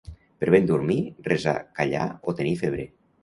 Per ben dormir, resar, callar o tenir febre.